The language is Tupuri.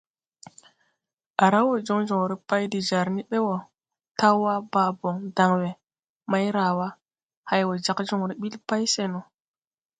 À raw wɔ joŋ joŋre pay de jar ni ɓe wɔ, Tawa, Baabon, Danwë, Mairawa hay wɔ jag joŋre ɓil pay see no.